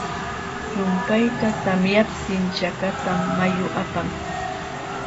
Llumpayta tamyaptin chakatam mayu apan.